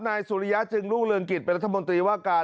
สุริยะจึงรุ่งเรืองกิจเป็นรัฐมนตรีว่าการ